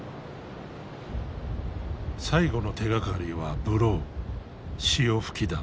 最後の手がかりはブロー潮吹きだ。